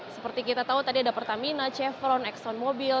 seperti kita tahu tadi ada pertamina chevron exxon mobil